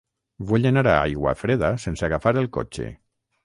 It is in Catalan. Vull anar a Aiguafreda sense agafar el cotxe.